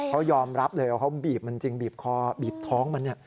เขายอมรับเลยว่าเขาบีบมันจริงบีบคอบีบท้องมัน